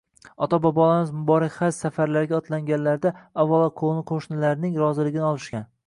Ota-bobolarimiz muborak haj safariga otlanganlarida, avvalo qo‘ni-qo‘shnilarining roziligini olishgan